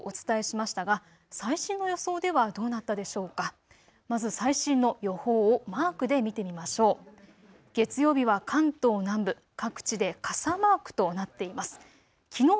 まず最新の予報をマークで見てみましょう。